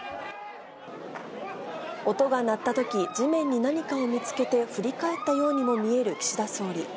音が鳴ったとき、地面に何かを見つけて振り返ったようにも見える岸田総理。